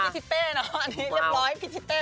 พี่ทิเต้นะอันนี้เรียบร้อยพี่ทิเต้ไป